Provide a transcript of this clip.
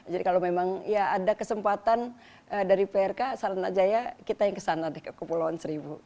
jadi kalau memang ya ada kesempatan dari prk saranaja ya kita yang kesana ke kepulauan seribu